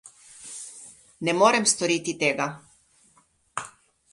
Ne morem storiti tega.